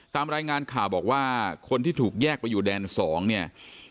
ตามรายงานข่าวบอกว่าคนที่ถูกแยกไปอยู่แดน๒เนี่ย